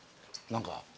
何か。